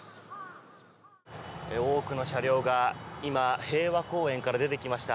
多くの車両が平和公園から出てきました。